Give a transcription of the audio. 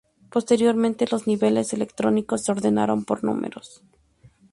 Posteriormente los niveles electrónicos se ordenaron por números.